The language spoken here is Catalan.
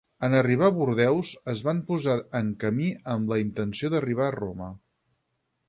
En arribar a Bordeus, es van posar en camí amb la intenció d'arribar a Roma.